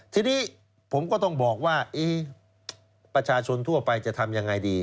ทีนี้ผมก็ต้องบอกว่าประชาชนทั่วไปจะทำยังไงดี